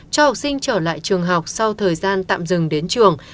cho học sinh trở lại trường học sau thời gian tạm dừng đến trường